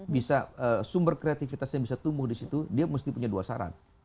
bisa sumber kreatifitasnya bisa tumbuh di situ dia mesti punya dua saran